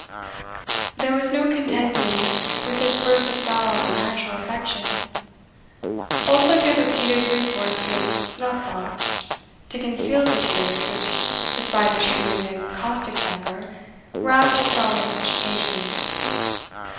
There was no contending with this burst of sorrow and natural affection. Oldbuck had repeated recourse to his snuff box to conceal the tears which, despite his shrewd and caustic temper, were apt to start on such occasions.